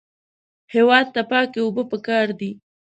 هېواد ته پاکې اوبه پکار دي